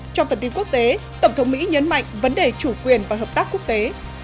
trong phần tin quốc tế tổng thống mỹ nhấn mạnh vấn đề chủ quyền và hợp tác quốc tế